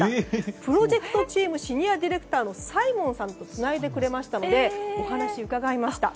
プロジェクトチームシニアディレクターのサイモンさんとつないでくれましたのでお話を伺いました。